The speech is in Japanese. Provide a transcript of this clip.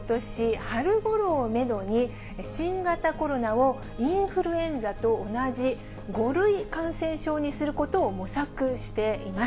そして政府はことし春ごろをメドに、新型コロナを、インフルエンザと同じ５類感染症にすることを模索しています。